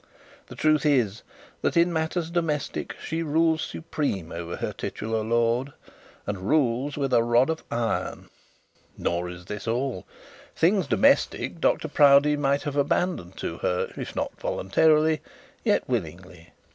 The truth is that in matters domestic she rules supreme over her titular lord, and rules with a rod of iron. Nor is this all. Things domestic Dr Proudie might have abandoned to her, if not voluntarily, yet willingly.